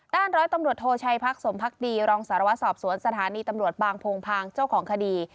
ร้อยตำรวจโทชัยพักสมพักดีรองสารวัตรสอบสวนสถานีตำรวจบางโพงพางเจ้าของคดี